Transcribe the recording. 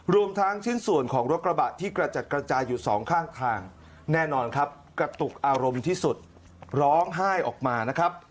รวมทั้งชิ้นส่วนของรถกระบะที่กระจัดกระจายอยู่สองข้างทางแน่นอนครับกระตุกอารมณ์ที่สุดร้องไห้ออกมานะครับ